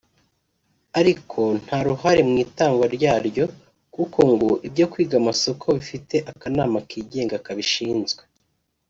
ariko ko nta ruhare mu itangwa ryaryo kuko ngo ibyo kwiga amasoko bifite akanama kigenga kabishinzwe